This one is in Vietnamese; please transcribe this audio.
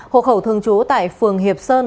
hộ khẩu thường trú tại phường hiệp sơn